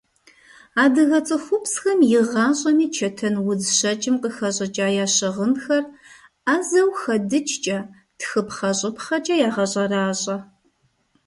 Адыгэ цӀыхубзхэм игъащӀэми чэтэнудз щэкӀым къыхэщӀыкӀа я щыгъынхэр Ӏэзэу хэдыкӀкӀэ, тхыпхъэ-щӀыпхъэкӀэ ягъэщӀэращӀэ.